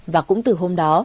và cũng từ hôm đó